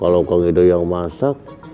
kalau kong edo yang masak